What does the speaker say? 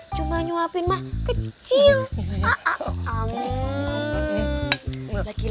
cuma nyuapin mah kecil